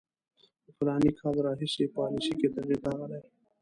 له فلاني کال راهیسې پالیسي کې تغییر راغلی.